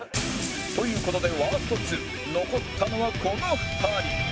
という事でワースト２残ったのはこの２人